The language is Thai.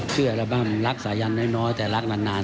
เชื่ออัลบั้มรักสายันน้อยแต่รักนาน